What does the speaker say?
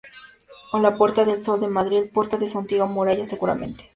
O la puerta del Sol de Madrid, puerta de su antigua muralla seguramente.